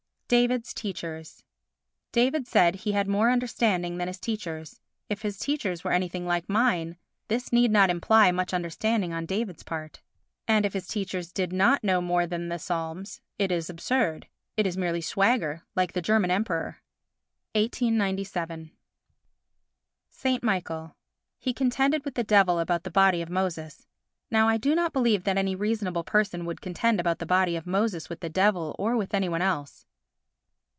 David's Teachers David said he had more understanding than his teachers. If his teachers were anything like mine this need not imply much understanding on David's part. And if his teachers did not know more than the Psalms—it is absurd. It is merely swagger, like the German Emperor. [1897.] S. Michael He contended with the devil about the body of Moses. Now, I do not believe that any reasonable person would contend about the body of Moses with the devil or with any one else.